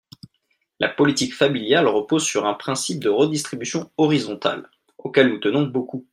La politique familiale repose sur un principe de redistribution horizontale, auquel nous tenons beaucoup.